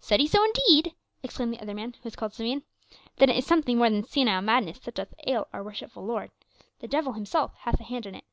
"Said he so indeed?" exclaimed the other man, who was called Simeon. "Then is it something more than senile madness that doth ail our worshipful lord; the devil himself hath a hand in it."